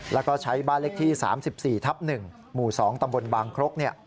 แล้วก็ใช้บ้านเลขที่๓๔ทับ๑หมู่๒ตำบลบางครก